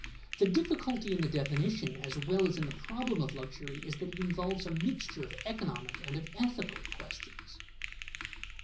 The difficulty in the definition as well as in the problem of luxury is that it involves a mixture of economic and of ethical questions.